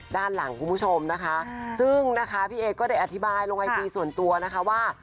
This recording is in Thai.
ด้านหลังคุณผู้ชมนะคะซึ่งนะคะพี่เอก็ได้อธิบายลงไอจีส่วนตัวนะคะว่า